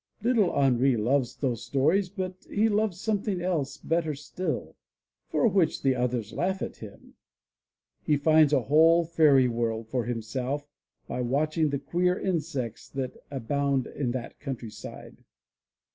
Little Henri loves those stories, but he loves something else better still, for which the others laugh at him. He finds a whole fairy world for himself by watching the queer insects that abound in that countryside.